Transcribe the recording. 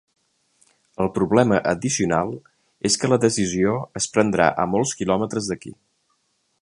El problema addicional és que la decisió es prendrà a molts quilòmetres d’aquí.